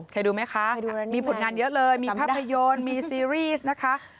ดูไหมคะมีผลงานเยอะเลยมีภาพยนตร์มีซีรีส์นะคะ